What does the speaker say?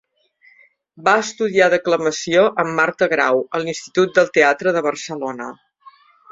Va estudiar declamació amb Marta Grau, a l'Institut del Teatre de Barcelona.